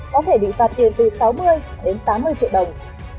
có thể bị phạt tiền từ sáu mươi đến tám mươi triệu đồng